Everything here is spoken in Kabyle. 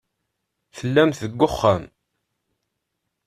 Tellamt deg uxxam.